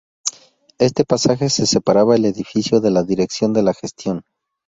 Este pasaje separaba el edificio de la Dirección de la Gestión.